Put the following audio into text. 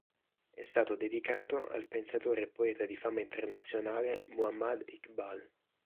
È stato dedicato al pensatore e poeta di fama internazionale Muhammad Iqbal.